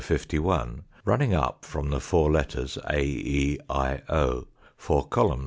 51, running up from the four letters AEIO, four column?